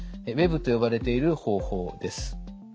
Ｗ−ＥＢと呼ばれている方法です。